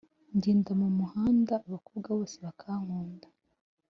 ngenda mumuhanda abakobwa bose bakankunda